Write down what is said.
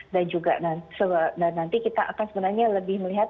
dan juga nanti kita akan sebenarnya lebih melihat